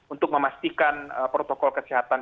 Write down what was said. untuk memastikan protokol kesehatan